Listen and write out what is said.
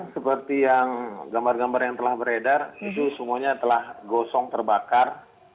seperti yang gambar gambar yang telah beredar itu semuanya telah gosong terbakar